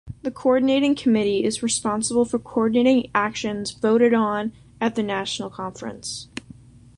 The coordinating committee is responsible for coordinating actions voted on at the national conference.